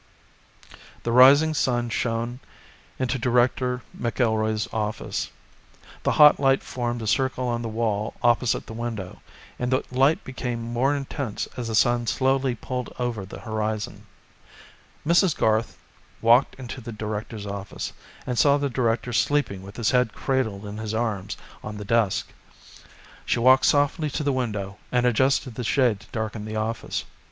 The rising sun shone into Director McIlroy's office. The hot light formed a circle on the wall opposite the window, and the light became more intense as the sun slowly pulled over the horizon. Mrs. Garth walked into the director's office, and saw the director sleeping with his head cradled in his arms on the desk. She walked softly to the window and adjusted the shade to darken the office.